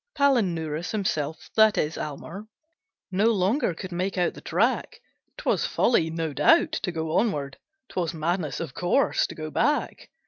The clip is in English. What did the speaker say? Palinurus himself that is Almer No longer could make out the track; 'Twas folly, no doubt, to go onward; 'Twas madness, of course, to go back.